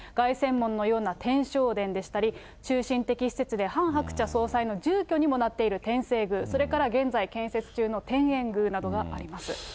凱旋門のような天勝殿でしたり、中心的施設でハン・ハクチャ総裁の住居にもなっている天正宮、それから現在建設中の天苑宮などがあります。